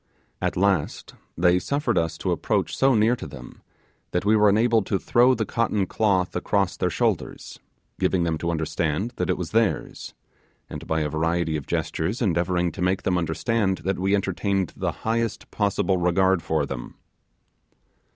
At last they suffered us to approach so near to them that we were enabled to throw the cotton cloth across their shoulders, giving them to understand that it was theirs, and by a variety of gestures endeavouring to make them understand that we entertained the highest possible regard for them.